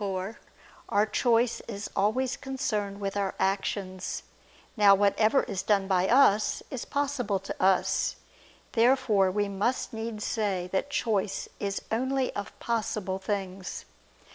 4), our choice is always concerned with our actions. Now whatever is done by us, is possible to us. Therefore we must needs say that choice is only of possible things.